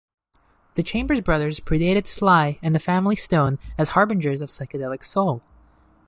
The Chambers Brothers predated Sly and the Family Stone as harbingers of psychedelic soul.